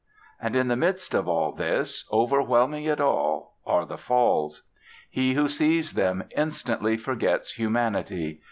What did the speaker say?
And in the midst of all this, overwhelming it all, are the Falls. He who sees them instantly forgets humanity.